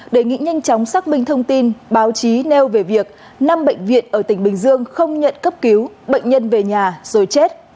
đề nghị nhanh chóng xác minh thông tin báo chí nêu về việc năm bệnh viện ở tỉnh bình dương không nhận cấp cứu bệnh nhân về nhà rồi chết